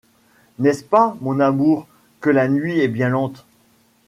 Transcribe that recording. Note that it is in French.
N'est-ce pas, mon amour, que la nuit est bien lente